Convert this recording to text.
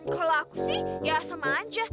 kalau aku sih ya sama aja